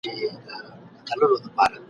جګه لوړه لکه سرو خرامانه !.